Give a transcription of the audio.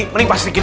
hai rasa min sich